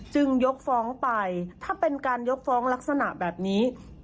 ยกฟ้องไปถ้าเป็นการยกฟ้องลักษณะแบบนี้